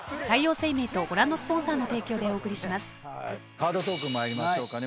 カードトーク参りましょうかね。